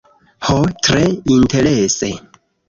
Ho, tre interese